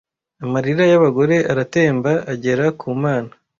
amarira y'abagore aratemba agera ku mana